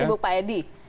sesibuk pak edi